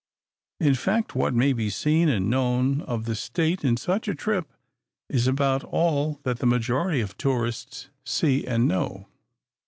In fact, what may be seen and known of the State in such a trip is about all that the majority of tourists see and know.